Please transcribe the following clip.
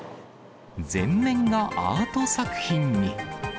全面がアート作品に。